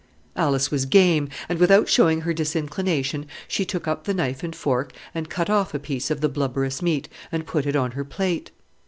Alice was game; and, without showing her disinclination, she took up the knife and fork and cut off a piece of the blubberous meat, and put it on her plate.